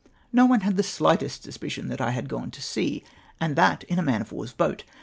No one had the slightest suspicion that I had gone to sea, and that in a man of war's boat.